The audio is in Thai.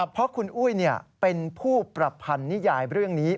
เพราะคุณอุ้ยเป็นผู้ประพันธ์นิยายเรื่องนี้